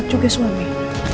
pulang ke rumah